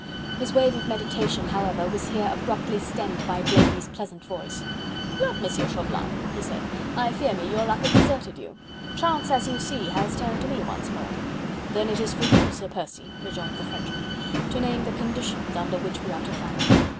His wave of meditation, however, was here abruptly stemmed by Blakeney's pleasant voice. "Lud! Monsieur Chauvelin," he said, "I fear me your luck has deserted you. Chance, as you see, has turned to me once more." "Then it is for you, Sir Percy," rejoined the Frenchman, "to name the conditions under which we are to fight."